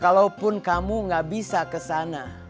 kalaupun kamu gak bisa kesana